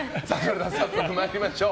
早速参りましょう。